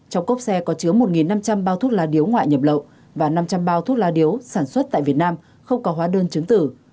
trong cốp xe có chứa một năm trăm linh bao thuốc lá điếu ngoại nhập lậu và năm trăm linh bao thuốc lá điếu sản xuất tại việt nam không có hóa đơn chứng tử